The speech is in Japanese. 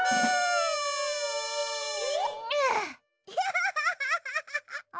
ハハハハハッ！